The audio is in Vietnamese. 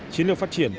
chiến lược phát triển